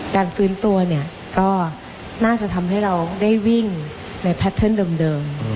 การฟื้นตัวเนี่ยก็น่าจะทำให้เราได้วิ่งในแพทเทิร์นเดิม